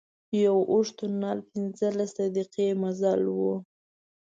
یو اوږد تونل پنځلس دقيقې مزل و.